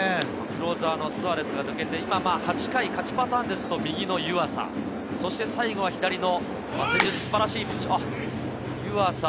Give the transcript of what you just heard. クローザーのスアレスが抜けて、勝ちパターンですと、右の湯浅、そして最後は左の。